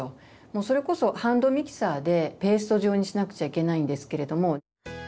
もうそれこそハンドミキサーでペースト状にしなくちゃいけないんですけれども。